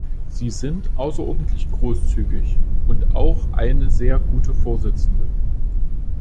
Sie sind außerordentlich großzügig und auch eine sehr gute Vorsitzende.